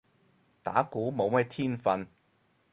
打鼓冇咩天份